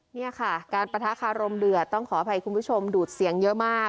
นี่ค่ะการปะทะคารมเดือดต้องขออภัยคุณผู้ชมดูดเสียงเยอะมาก